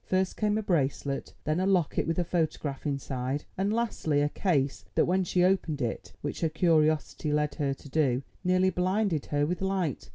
First came a bracelet, then a locket with his photograph inside, and lastly, a case that, when she opened it, which her curiosity led her to do, nearly blinded her with light.